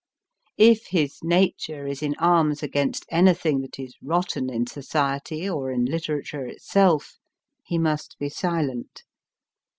If his nature is in arms against anything that is rotten in Society or in Literature itself, he must be silent.